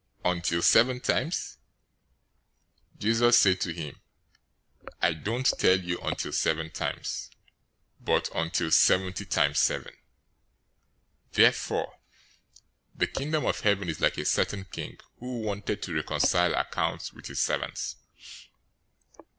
Until seven times?" 018:022 Jesus said to him, "I don't tell you until seven times, but, until seventy times seven. 018:023 Therefore the Kingdom of Heaven is like a certain king, who wanted to reconcile accounts with his servants.